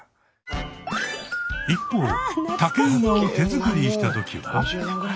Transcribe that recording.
一方竹馬を手作りしたときは。